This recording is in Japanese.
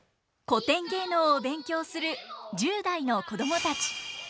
古典芸能を勉強する１０代の子供たち。